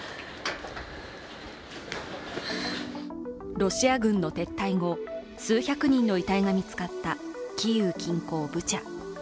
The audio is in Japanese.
ロシア軍の撤退後、数百人の遺体が見つかったキーウ近郊ブチャ。